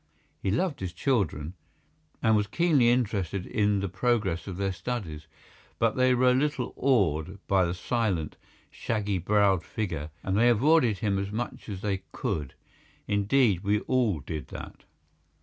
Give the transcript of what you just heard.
He loved his children, and was keenly interested in the progress of their studies, but they were a little awed by the silent, shaggy browed figure, and they avoided him as much as they could. Indeed, we all did that.